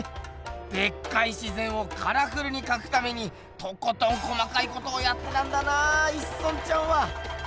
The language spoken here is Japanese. でっかい自ぜんをカラフルにかくためにとことん細かいことをやったんだな一村ちゃんは。